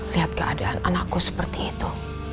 lihat keadaan anakku seperti itu